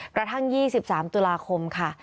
กระทั่ง๒๓ตุลาคมค่ะ